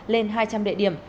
lên hai trăm linh địa điểm